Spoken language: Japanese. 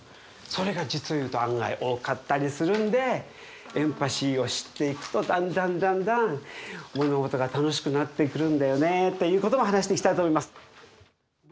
それが実を言うと案外多かったりするんでエンパシーを知っていくとだんだんだんだん物事が楽しくなってくるんだよねということも話していきたいと思います。